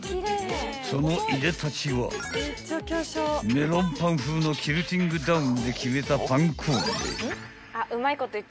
［そのいでたちはメロンパン風のキルティングダウンで決めた］